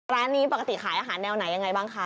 ร้านนี้ปกติขายอาหารแนวไหนยังไงบ้างคะ